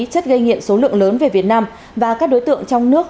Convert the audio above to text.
chất gây nghiện số lượng lớn về việt nam và các đối tượng trong nước